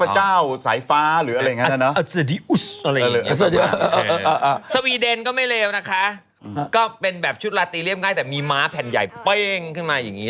ชุดนี้ก็หลวยอยู่